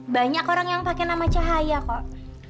banyak orang yang pakai nama cahaya kok